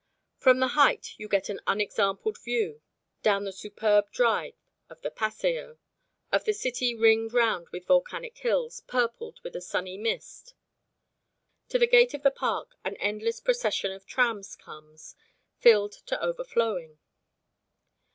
From the height you get an unexampled view, down the superb drive of the Paseo, of the city ringed round with volcanic hills purpled with a sunny mist. To the gate of the park an endless procession of trams comes, filled to overflowing.